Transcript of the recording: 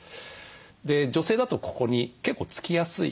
で女性だとここに結構つきやすいですね。